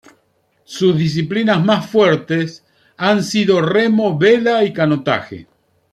Sus disciplinas más fuertes han sido remo, vela y canotaje.